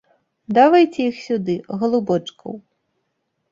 Давайце іх сюды, галубочкаў!